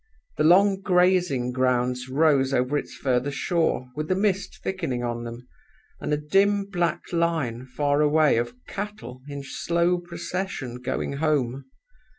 The long grazing grounds rose over its further shore, with the mist thickening on them, and a dim black line far away of cattle in slow procession going home.